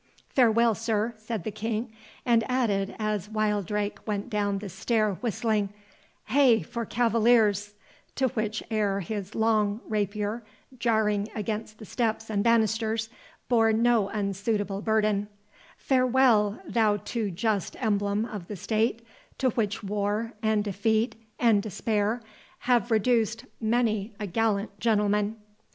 "Farewell, sir," said the King, and added, as Wildrake went down the stair whistling, "Hey for cavaliers," to which air his long rapier, jarring against the steps and banisters, bore no unsuitable burden— "Farewell, thou too just emblem of the state, to which war, and defeat, and despair, have reduced many a gallant gentleman."